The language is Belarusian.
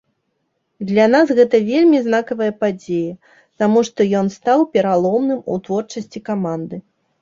Для нас гэта вельмі знакавая падзея, таму што ён стаў пераломным у творчасці каманды.